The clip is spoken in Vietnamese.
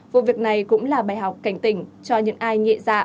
vụ việc này cũng là bài học cảnh tỉnh cho những ai nhẹ dạ